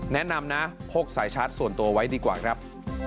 แนะนำนะพกสายชาร์จส่วนตัวไว้ดีกว่าครับ